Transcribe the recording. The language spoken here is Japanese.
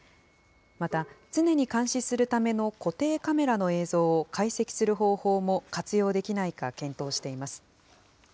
また、常に監視するための固定カメラの映像を解析する方法も活用できないか検討しています。